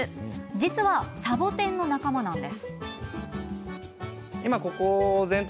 実はサボテンの仲間なんです。